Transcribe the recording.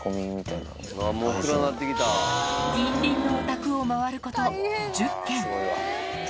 近隣のお宅を回ること１０軒。